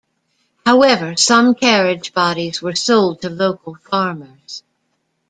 However, some carriage bodies were sold to local farmers.